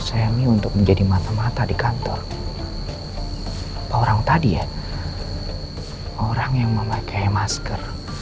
saya ini untuk menjadi mata mata di kantor orang tadi ya orang yang memakai masker